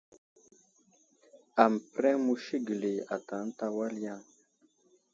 Aməpəreŋ musi gəli ata ənta wal yaŋ.